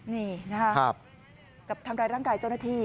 นี่นะคะกับทำร้ายร่างกายเจ้าหน้าที่